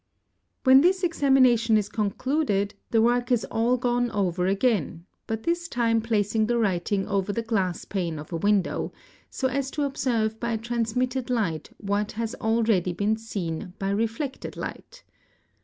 When this examination is concluded, the work is all gone over again, 'but this time placing the writing over the glass pane of a window, 30 as to observe by transmitted light what has already been seen by reflected light.